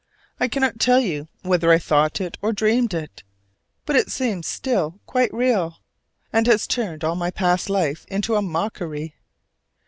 I cannot tell you whether I thought it or dreamed it, but it seems still quite real, and has turned all my past life into a mockery.